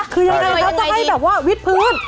คือยังไงแล้วจะให้แบบวิทพรึน